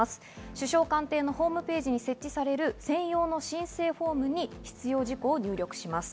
首相官邸のホームページに設置される専用の申請フォームに必要事項を入力します。